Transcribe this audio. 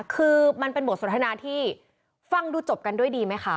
คือมันเป็นบทสนทนาที่ฟังดูจบกันด้วยดีไหมคะ